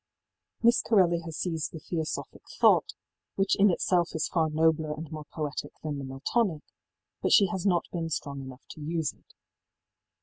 Miss Corelli has seized the Theosophic thought, which in itself is far nobler and more poetic than the Miltonic, but she has not been strong enough to use it.